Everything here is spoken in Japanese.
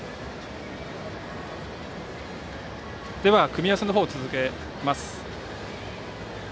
組み合わせのほうを続けます。